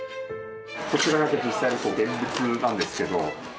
こちらが実際の現物なんですけど。